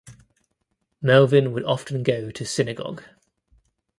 Melvin would often go to synagogue.